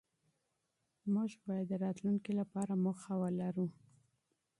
موږ بايد د راتلونکي لپاره پلان ولرو.